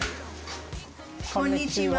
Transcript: こんにちは。